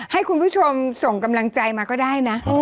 ให้คุณผู้ชมส่งกำลังใจมาก็ได้นะ